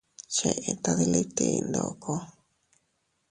Cheʼe tadiliti ndoko.